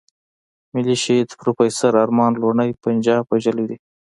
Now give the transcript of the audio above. ملي شهيد پروفېسور ارمان لوڼی پنجاب وژلی دی.